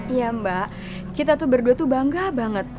iya mbak kita tuh berdua tuh bangga banget